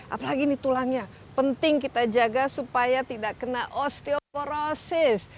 apalagi ini tulangnya penting kita jaga supaya tidak kena osteoporosis